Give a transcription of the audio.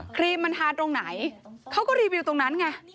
ครีมมันฮาตรงไหนเขาก็รีวิวตรงนั้นไง